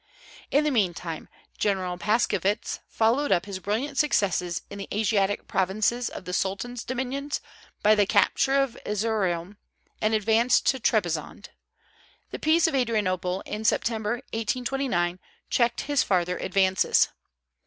In the meantime General Paskievitch followed up his brilliant successes in the Asiatic provinces of the Sultan's dominions by the capture of Erzeroum, and advanced to Trebizond. The peace of Adrianople, in September, 1829, checked his farther advances.